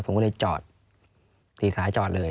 ผมก็เลยจอดตีขาจอดเลย